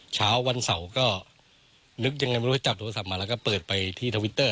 เช้าวันเสาร์ก็นึกยังไงไม่รู้จับโทรศัพท์มาแล้วก็เปิดไปที่ทวิตเตอร์